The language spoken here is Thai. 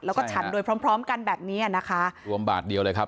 แล้วก็ฉันโดยพร้อมพร้อมกันแบบนี้อ่ะนะคะรวมบาทเดียวเลยครับ